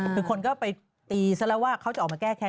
คือคนก็ไปตีซะแล้วว่าเขาจะออกมาแก้แค้น